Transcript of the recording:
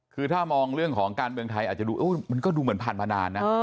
คือถ้ามองเรื่องของการเมืองไทยอาจจะดูมันก็ดูเหมือนผ่านมานานนะ